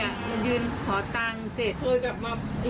มันยืนขอตังเสร็จ